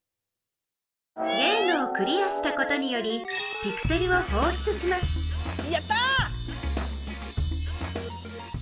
ゲームをクリアしたことによりピクセルをほうしゅつしますやったぁ！